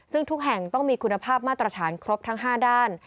ซึ่งทุกแห่งต้องมีคุณภาพมาตรฐานครบทั้ง๕ด้าน